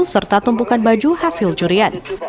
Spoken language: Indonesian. serta tumpukan baju hasil curian